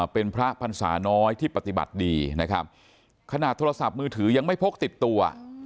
เป็นพระพรรษาน้อยที่ปฏิบัติดีนะครับขนาดโทรศัพท์มือถือยังไม่พกติดตัว